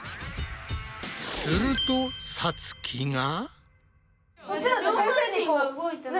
するとさつきが。